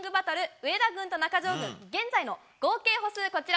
上田軍と中条軍現在の合計歩数